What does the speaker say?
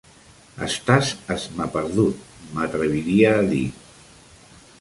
Estàs esmaperdut, m'atreviria a dir!